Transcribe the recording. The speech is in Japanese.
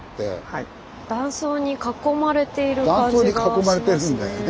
断層に囲まれてるんだよね。